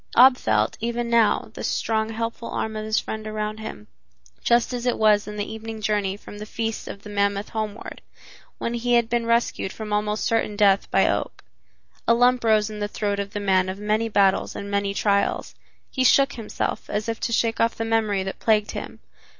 Ab felt, even now, the strong, helpful arm of his friend around him, just as it was in the evening journey from the Feast of the Mammoth homeward, when he had been rescued from almost certain death by Oak. A lump rose in the throat of the man of many battles and many trials. He shook himself, as if to shake off the memory that plagued him.